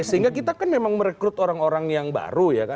sehingga kita kan memang merekrut orang orang yang baru ya kan